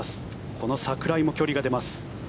この櫻井も距離が出ます。